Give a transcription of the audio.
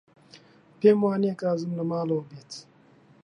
پێم وانییە کازم لە ماڵەوە بێت.